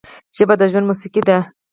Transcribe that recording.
ژبه د ژوند موسیقي ده